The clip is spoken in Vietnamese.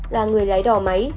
là người lái đò máy